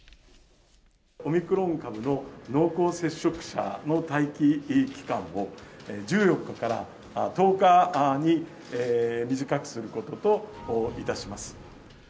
オミクロン株の濃厚接触者の待機期間を、１４日から１０日に短くすることといたします。